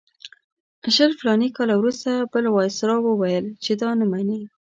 شل فلاني کاله وروسته بل وایسرا وویل چې دا نه مني.